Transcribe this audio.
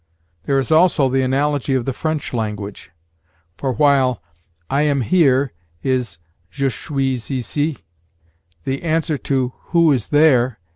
There is also the analogy of the French language; for while 'I am here' is je suis ici, the answer to 'who is there?'